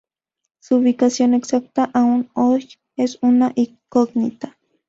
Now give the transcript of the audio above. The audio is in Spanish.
Su ubicación exacta aún hoy es una incógnita.